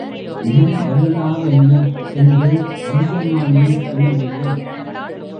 இதன் வரலாறென்ன? என்று அதியமானே வினவினார்.